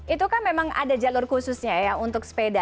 itu kan memang ada jalur khususnya ya untuk sepeda